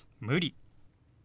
「無理」。